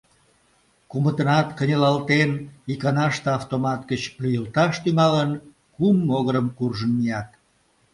Кумытынат, кынелалтен, иканаште автомат гыч лӱйылташ тӱҥалын, кум могырым куржын мият.